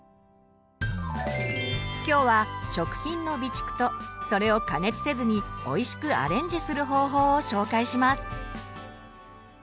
今日は食品の備蓄とそれを加熱せずにおいしくアレンジする方法を紹介します。